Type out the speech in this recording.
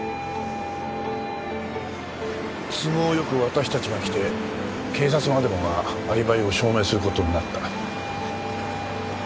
都合よく私たちが来て警察までもがアリバイを証明する事になった。